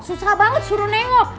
susah banget suruh nengok